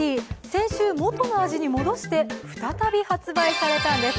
先週、元の味に戻して再び発売されたんです。